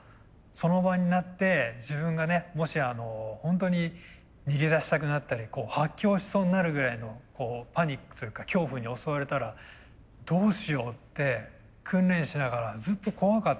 その場になって自分がねもしホントに逃げ出したくなったり発狂しそうになるぐらいのパニックというか恐怖に襲われたらどうしようって訓練しながらずっと怖かったんですよ。